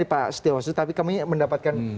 pak setiawasi tapi kami mendapatkan